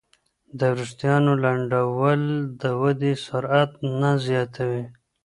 د وریښتانو لنډول د ودې سرعت نه زیاتوي.